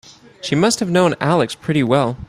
She must have known Alex pretty well.